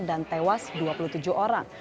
dan tewas dua puluh tujuh orang